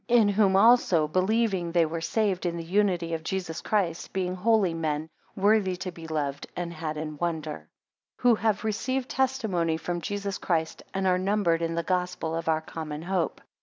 4 In whom also believing they were saved in the unity of Jesus Christ; being holy men, worthy to be loved, and had in wonder; 5 Who have received testimony from Jesus Christ, and are numbered in the Gospel of our common hope.